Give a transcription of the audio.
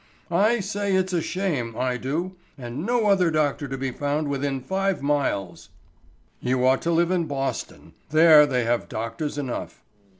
I say it's a shame, I do, and no other doctor to be found within five miles." "You ought to live in Boston. There they have doctors enough."